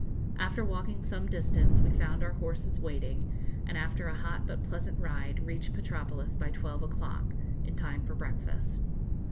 After walking some distance we found our horses waiting, and after a hot but pleasant ride reached Petropolis by twelve o'clock, in time for breakfast.